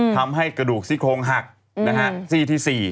ทำให้กระดูกซี่โครงหักซี่ที่๔